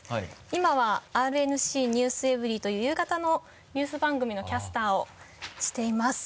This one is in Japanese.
今は「ＲＮＣｎｅｗｓｅｖｅｒｙ．」という夕方のニュース番組のキャスターをしています。